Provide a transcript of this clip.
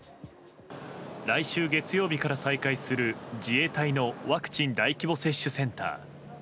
来週月曜日から再開する自衛隊のワクチン大規模接種センター。